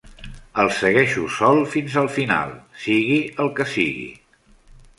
El segueixo sol fins al final, sigui el que sigui.